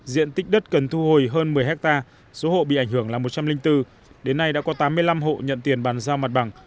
diện tích đất cần thu hồi hơn một mươi hectare số hộ bị ảnh hưởng là một trăm linh bốn đến nay đã có tám mươi năm hộ nhận tiền bàn giao mặt bằng